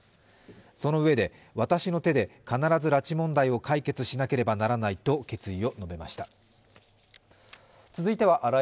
そのうえで、私の手で必ず拉致問題を解決しなければならないと決意を述べました。